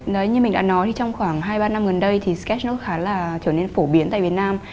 đấy như mình đã nói thì trong khoảng hai ba năm gần đây thì skok khá là trở nên phổ biến tại việt nam